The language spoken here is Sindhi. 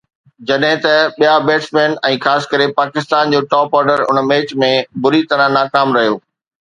جڏهن ته ٻيا بيٽسمين ۽ خاص ڪري پاڪستان جو ٽاپ آرڊر ان ميچ ۾ بُري طرح ناڪام رهيو